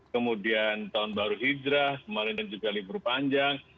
kemudian tahun baru hijrah kemarin dan juga libur panjang